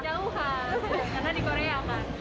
jauhan karena di korea kan